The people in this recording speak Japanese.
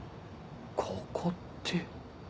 ここって